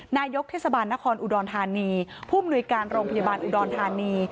นายกเทศบาลนครอุดรธานีผู้มนุยการโรงพยาบาลอุดรธานี